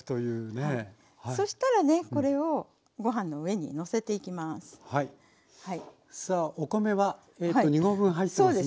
そしたらねこれをご飯の上にのせていきます。